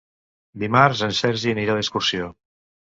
Dimarts en Sergi anirà d'excursió.